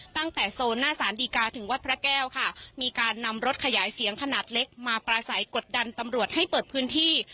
โซนหน้าสารดีกาถึงวัดพระแก้วค่ะมีการนำรถขยายเสียงขนาดเล็กมาปราศัยกดดันตำรวจให้เปิดพื้นที่